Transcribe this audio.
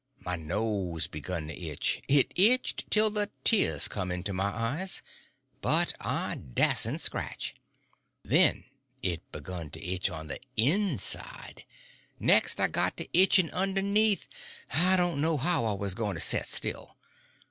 My nose begun to itch. It itched till the tears come into my eyes. But I dasn't scratch. Then it begun to itch on the inside. Next I got to itching underneath. I didn't know how I was going to set still.